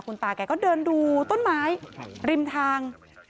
ตาแกก็เดินดูต้นไม้ริมทาง